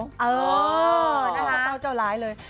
อ๋อฮะครับครับข้อเตาเจ้าร้ายเลย